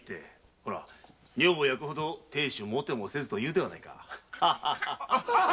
ホラ「女房の妬くほど亭主もてもせず」と言うではないか。